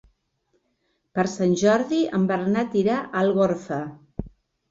Per Sant Jordi en Bernat irà a Algorfa.